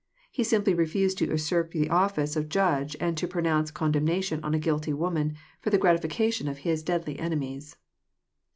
He simply refused to usurp the office of the judge and to pro nounce condemnation on a guilty woman, for the gratifica ( tion of His deadly enemies.